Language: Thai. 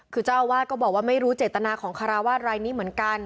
คือเจ้าอาวาสก็บอกว่าไม่รู้เจตนาของคาราวาสรายนี้เหมือนกัน